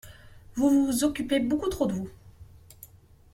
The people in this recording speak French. Vous vous occupez beaucoup trop de vous…